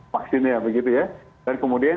vaksinnya begitu ya dan kemudian